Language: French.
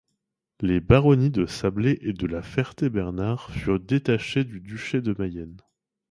Les baronnies de Sablé et de la Ferté-Bernard furent détachées du Duché de Mayenne.